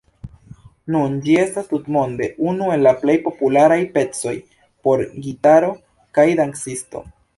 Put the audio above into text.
Nun ĝi estas tutmonde unu el la plej popularaj pecoj por gitaro kaj dancisto.